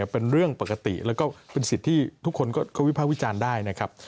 เป็นเรื่องปกติแล้วก็เป็นสิทธิ์ที่ทุกคนก็วิภาควิจารณ์ได้นะครับ